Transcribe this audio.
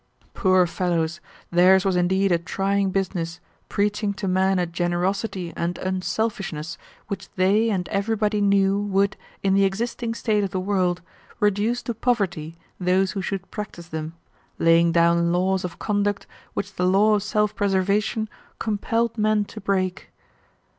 Poor fellows, theirs was indeed a trying business, preaching to men a generosity and unselfishness which they and everybody knew would, in the existing state of the world, reduce to poverty those who should practice them, laying down laws of conduct which the law of self preservation compelled men to break.